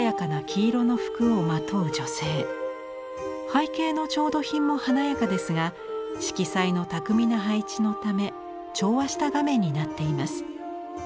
背景の調度品も華やかですが色彩の巧みな配置のため調和した画面になっています。